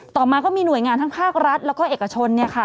ต่อมาก็มีหน่วยงานทั้งภาครัฐแล้วก็เอกชนเนี่ยค่ะ